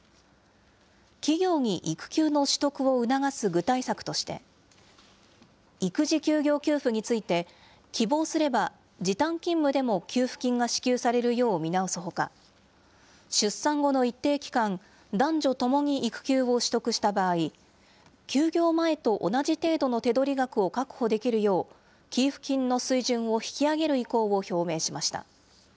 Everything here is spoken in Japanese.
企業に育休の取得を促す具体策として、育児休業給付について、希望すれば時短勤務でも給付金が支給されるよう見直すほか、出産後の一定期間、男女ともに育休を取得した場合、休業前と同じ程度の手取り額を確保できるよう、給付金の水準を引き上げる意向を表明しました。